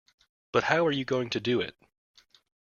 But how are you going to do it.